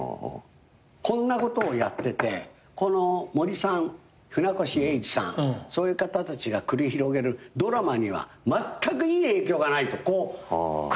こんなことをやってて森さん船越さんそういう方たちが繰り広げるドラマにはまったくいい影響がないとこうクレームがついた。